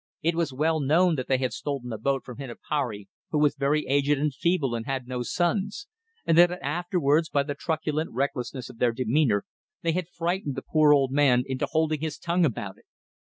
It was well known that they had stolen a boat from Hinopari, who was very aged and feeble and had no sons; and that afterwards, by the truculent recklessness of their demeanour, they had frightened the poor old man into holding his tongue about it.